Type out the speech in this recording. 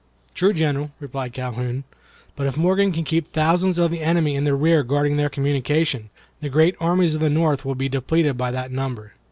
"True, General," replied Calhoun, "but if Morgan can keep thousands of the enemy in the rear guarding their communications, the great armies of the North will be depleted by that number."